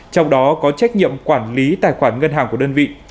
trong đó có trách nhiệm quản lý tài khoản ngân hàng của đơn vị